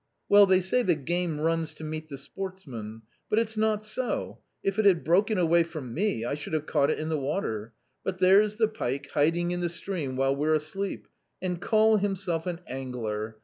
Well, they say the game runs to meet the sportsman. But it's not so ; if it had broken away from me, I should have caught it in the water ; but there's the pike hiding in the stream while we're asleep — and call himself an angler.